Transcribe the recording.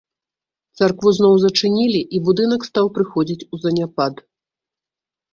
Царкву зноў зачынілі, і будынак стаў прыходзіць у заняпад.